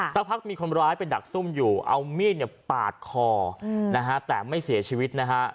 สักพักมีคนร้ายไปดักซุ่มอยู่เอามีดปาดคอนะฮะแต่ไม่เสียชีวิตนะฮะ